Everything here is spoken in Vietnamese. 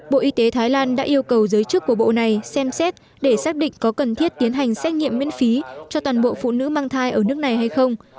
bộ y tế thái lan đã yêu cầu giới chức của bộ này xem xét để xác định có cần thiết tiến hành xét nghiệm miễn phí cho toàn bộ phụ nữ mang thai ở nước này hay không